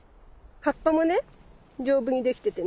葉っぱもね丈夫にできててね。